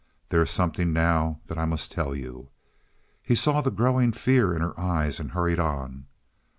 There is something now that I must tell you." He saw the growing fear in her eyes and hurried on.